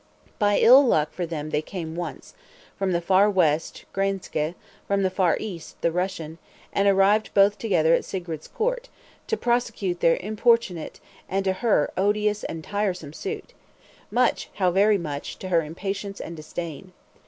By ill luck for them they came once, from the far West, Graenske; from the far East, the Russian; and arrived both together at Sigrid's court, to prosecute their importunate, and to her odious and tiresome suit; much, how very much, to her impatience and disdain.